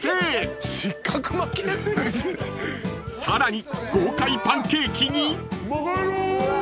［さらに豪快パンケーキに］